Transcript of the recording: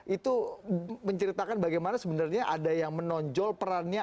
itu menceritakan bagaimana sebenarnya ada yang menonjol perannya